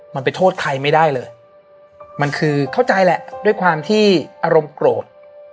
มันไปโทษใครไม่ได้เลยมันคือเข้าใจแหละด้วยความที่อารมณ์โกรธ